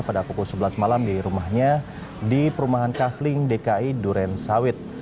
pada pukul sebelas malam di rumahnya di perumahan kafling dki duren sawit